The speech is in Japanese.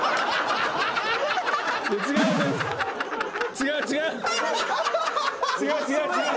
違う違う。